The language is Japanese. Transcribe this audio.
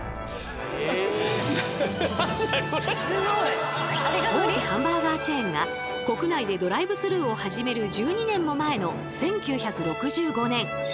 大手ハンバーガーチェーンが国内でドライブスルーを始める１２年も前の１９６５年。